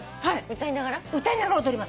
歌いながら踊りますから。